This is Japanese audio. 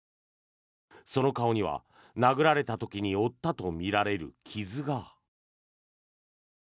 その顔には、殴られた時に負ったとみられる傷が。